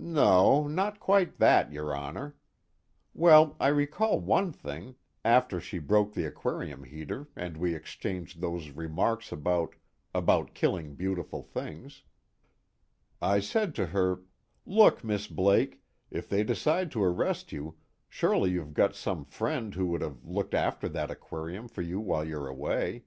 "No, not quite that, your Honor. Well, I recall one thing, after she broke the aquarium heater and we exchanged those remarks about about killing beautiful things. I said to her: 'Look, Miss Blake, if they decide to arrest you, surely you've got some friend who would have looked after that aquarium for you while you're away.'